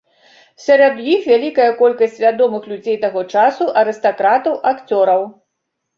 Сярод іх вялікая колькасць вядомых людзей таго часу, арыстакратаў, акцёраў.